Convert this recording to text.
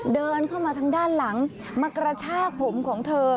เดินเข้ามาทางด้านหลังมากระชากผมของเธอ